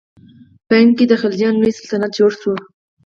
په هند کې د خلجیانو لوی سلطنتونه جوړ شول.